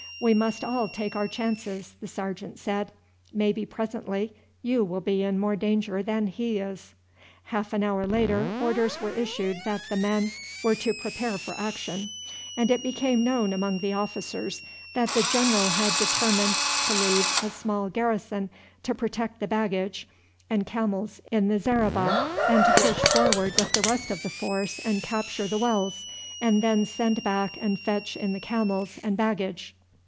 "We must all take our chances," the sergeant said. "Maybe presently you will be in more danger than he is." Half an hour later orders were issued that the men were to prepare for action, and it became known among the officers that the general had determined to leave a small garrison to protect the baggage and camels in the zareba, and to push forward with the rest of the force and capture the wells, and then send back and fetch in the camels and baggage.